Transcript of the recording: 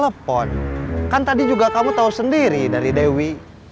telepon kan tadi juga kamu tahu sendiri dari dewi